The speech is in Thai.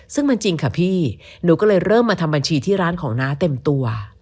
ซึ่งมันจริงค่ะพี่หนูก็เลยเริ่มมาทำบัญชีที่ร้านของน้าเต็มตัว